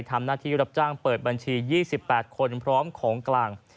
ทำหน้าที่รับจ้างเปิดบัญชี๒๘คนพร้อมของกลาง